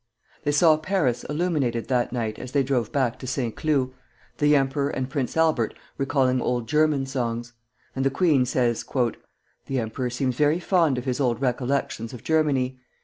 They saw Paris illuminated that night as they drove back to Saint Cloud, the emperor and Prince Albert recalling old German songs; and the queen says: "The emperor seems very fond of his old recollections of Germany.